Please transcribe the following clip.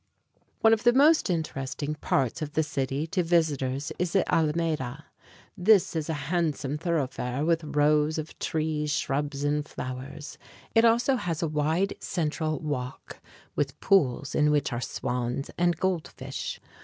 One of the most interesting parts of the city to visitors is the Alameda (ah lah may´ dah). This is a handsome thoroughfare, with rows of trees, shrubs and flowers. It also has a wide central walk with pools, in which are swans and goldfish.